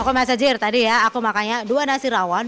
aku masajir tadi ya aku makanya dua nasi rawon